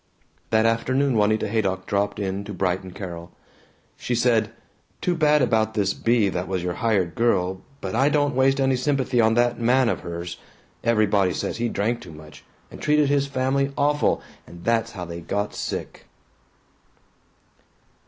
That afternoon Juanita Haydock dropped in to brighten Carol. She said, "Too bad about this Bea that was your hired girl. But I don't waste any sympathy on that man of hers. Everybody says he drank too much, and treated his family awful, and that's how they got sick."